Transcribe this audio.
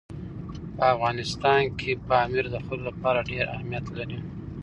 په افغانستان کې پامیر د خلکو لپاره ډېر اهمیت لري.